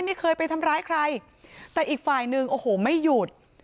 ไม่เคยไปทำร้ายใครแต่อีกฝ่ายหนึ่งโอ้โหไม่หยุด